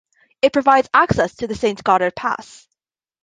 It provides access to the Saint Gotthard Pass.